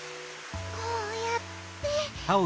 こうやって。